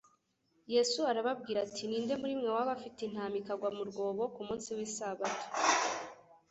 Yesu arababwira ati : "Ninde muri mwe waba afite intama ikagwa mu rwobo ku munsi w'isabato